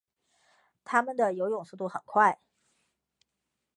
它们的游水速度很快。